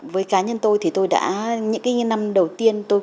với cá nhân tôi thì tôi đã những cái năm đầu tiên tôi